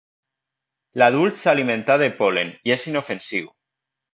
L'adult s'alimenta de pol·len i és inofensiu.